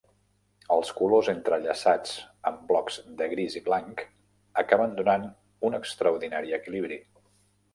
Els colors entrellaçats amb blocs de gris i blanc acaben donant un extraordinari equilibri.